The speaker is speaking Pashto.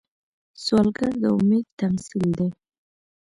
سوالګر د امید تمثیل دی